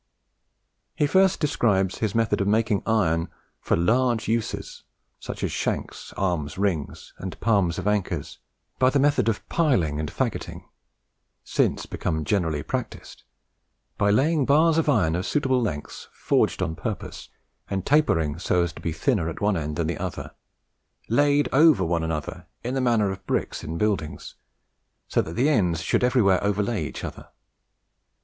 He first describes his method of making iron for "large uses," such as shanks, arms, rings, and palms of anchors, by the method of piling and faggoting, since become generally practised, by laying bars of iron of suitable lengths, forged on purpose, and tapering so as to be thinner at one end than the other, laid over one another in the manner of bricks in buildings, so that the ends should everywhere overlay each other.